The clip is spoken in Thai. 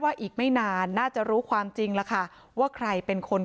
อีกไม่นานน่าจะรู้ความจริงแล้วค่ะว่าใครเป็นคน